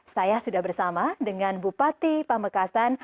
saya sudah bersama dengan bupati pamekasan